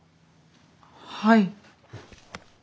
はい。